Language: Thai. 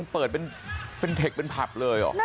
เปิดเป็นเทคเป็นผับเลยเหรอ